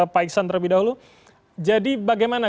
pak iksan terlebih dahulu jadi bagaimana